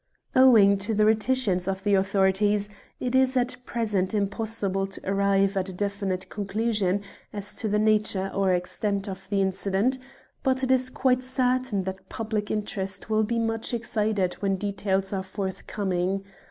"Owing to the reticence of the authorities, it is at present impossible to arrive at a definite conclusion as to the nature or extent of the incident, but it is quite certain that public interest will be much excited when details are forthcoming.